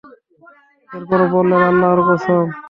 এরপর বললেন, আল্লাহর কসম!